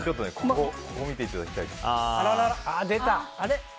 ここを見ていただきたいです。